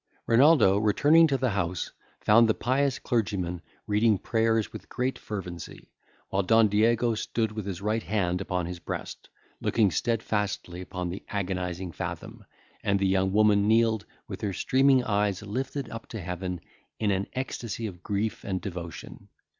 Renaldo, returning to the house, found the pious clergyman reading prayers with great fervency, while Don Diego stood with his right hand upon his breast, looking steadfastly upon the agonising Fathom, and the young woman kneeled, with her streaming eyes lifted up to heaven, in an ecstasy of grief and devotion.